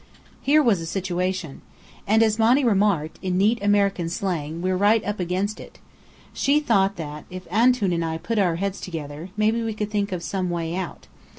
Here was a situation! And as Monny remarked, in neat American slang, we were "right up against it." She thought that, if Antoun and I "put our heads together," maybe we could think of "some way out."